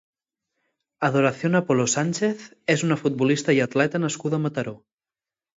Adoración Apolo Sánchez és una futbolista i atleta nascuda a Mataró.